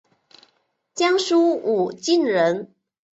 江苏武进人。